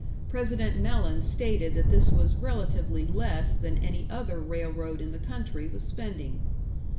(President Mellen stated that this was relatively less than any other railroad in the country was spending).